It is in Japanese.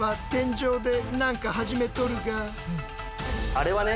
あれはね